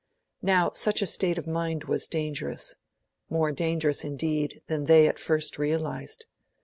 Now such a state of mind was dangerous more dangerous indeed than they at first realised.